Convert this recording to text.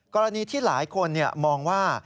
กรณีที่หลายคนมองว่า